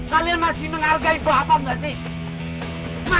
kalian masih menghargai bapak nggak sih